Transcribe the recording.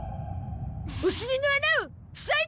お尻の穴を塞いだゾ！